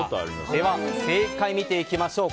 では正解を見ていきましょう。